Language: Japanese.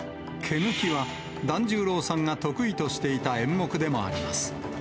毛抜は團十郎さんが得意としていた演目でもあります。